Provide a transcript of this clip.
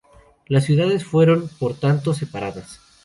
Las ciudades fueron, por tanto, separadas.